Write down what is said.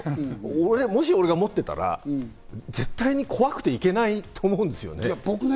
これもし俺が持ってたら、絶対に怖くていけないと思うんですよね。